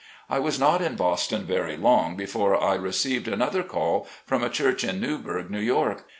I was not in Boston very long before I received another call, from a church in Newburgh, New York.